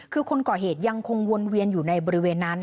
คือคนก่อเหตุยังคงวนเวียนอยู่ในบริเวณนั้น